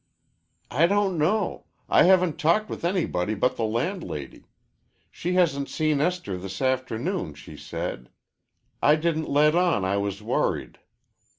"I don't know. I haven't talked with anybody but the landlady. She hasn't seen Esther this afternoon, she said. I didn't let on I was worried."